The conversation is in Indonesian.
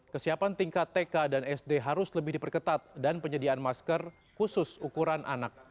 kesiapan tingkat tk dan sd harus lebih diperketat dan penyediaan masker khusus ukuran anak